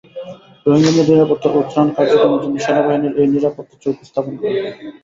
রোহিঙ্গাদের নিরাপত্তা ও ত্রাণ কার্যক্রমের জন্য সেনাবাহিনীর এই নিরাপত্তাচৌকি স্থাপন করা হয়।